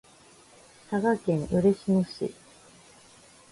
佐賀県嬉野市